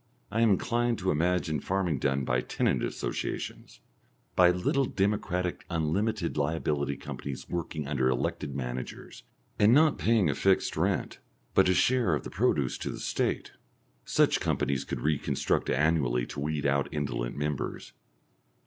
I am inclined to imagine farming done by tenant associations, by little democratic unlimited liability companies working under elected managers, and paying not a fixed rent but a share of the produce to the State. Such companies could reconstruct annually to weed out indolent members.